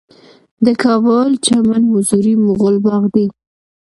د کابل چمن حضوري مغل باغ دی